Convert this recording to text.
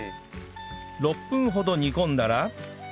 ６分ほど煮込んだら